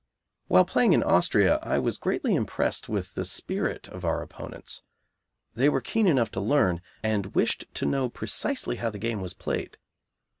While playing in Austria, I was greatly impressed with the spirit of our opponents. They were keen enough to learn, and wished to know precisely how the game was played.